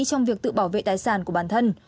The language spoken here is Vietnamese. trong việc tự bảo vệ tài sản của bản thân